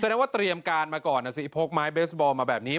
แสดงว่าเตรียมการมาก่อนนะสิพกไม้เบสบอลมาแบบนี้